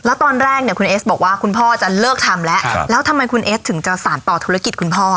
แล้วตอนแรกเนี่ยคุณเอสบอกว่าคุณพ่อจะเลิกทำแล้วแล้วทำไมคุณเอสถึงจะสารต่อธุรกิจคุณพ่อ